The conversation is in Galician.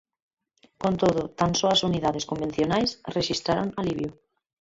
Con todo, tan só as unidades convencionais rexistraron alivio.